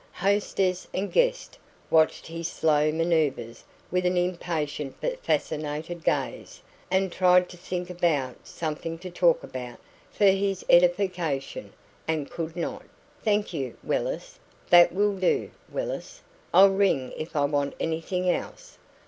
Hostess and guest watched his slow manoeuvres with an impatient but fascinated gaze, and tried to think about something to talk about for his edification, and could not. "Thank you, Willis; that will do, Willis. I'll ring if I want anything else.